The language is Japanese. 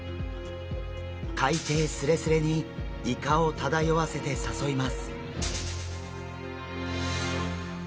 海底スレスレにイカを漂わせて誘います。